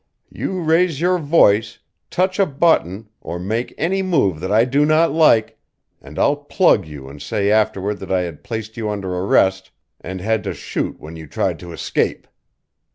"You raise your voice, touch a button or make any move that I do not like, and I'll plug you and say afterward that I had placed you under arrest and had to shoot when you tried to escape.